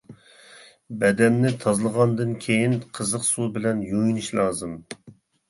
بەدەننى تازىلىغاندىن كېيىن قىزىق سۇ بىلەن يۇيۇنۇش لازىم.